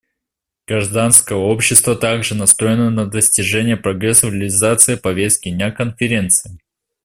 Гражданское общество также настроено на достижение прогресса в реализации повестки дня Конференции.